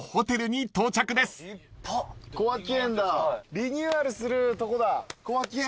リニューアルするとこだ小涌園。